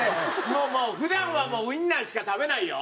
もう普段はもうウィンナーしか食べないよ。